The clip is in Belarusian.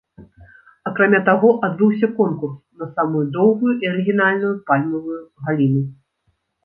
Акрамя таго адбыўся конкурс на самую доўгую і арыгінальную пальмавую галіну.